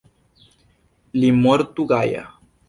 Li mortu gaja.